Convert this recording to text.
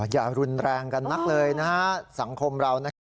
อย่ารุนแรงกันนักเลยนะฮะสังคมเรานะครับ